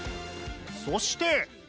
そして。